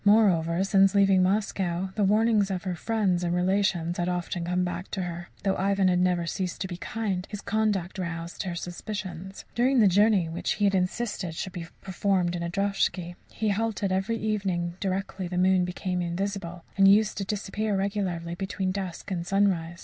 Moreover, since leaving Moscow the warnings of her friends and relations had often come back to her. Though Ivan had never ceased to be kind, his conduct roused her suspicions. During the journey, which he had insisted should be performed in a droshky, he halted every evening directly the moon became invisible, and used to disappear regularly between dusk and sunrise.